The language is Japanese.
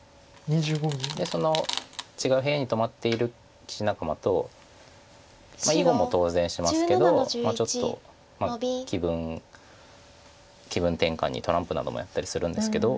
で違う部屋に泊まっている棋士仲間と囲碁も当然しますけどちょっと気分転換にトランプなどもやったりするんですけど。